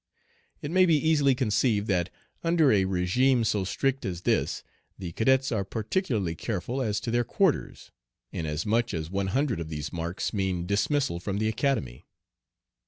It may be easily conceived that under a regime so strict as this the cadets are particularly careful as to their quarters, inasmuch as one hundred of these marks mean dismissal from the Academy.